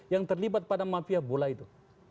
yang terlibat pada mafia bola itu